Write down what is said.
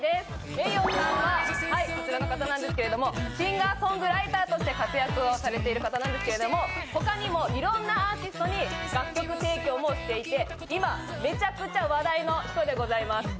ｍｅｉｙｏさんはシンガーソングライターとして活躍をされている方なんですけど他にもいろんなアーティストに楽曲提供もしていて、今、めちゃくちゃ話題の人でございます。